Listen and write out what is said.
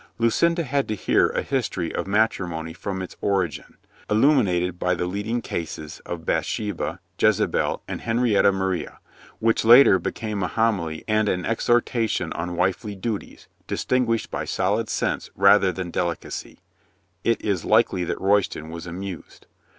Lucinda had to hear a history of matrimony from its origin, illuminated by the lead ing cases of Bathsheba, Jezebel and Henrietta Ma ria, which later became a homily and an exhorta tion on wifely duties, distinguished by solid sense rather than delicacy. It is likely that Royston was amused.